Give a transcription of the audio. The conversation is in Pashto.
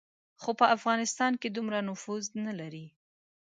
خو په افغانستان کې دومره نفوذ نه لري.